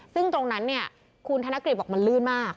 ซึ่งตรงนั้นเนี่ยคุณธนกฤษบอกมันลื่นมาก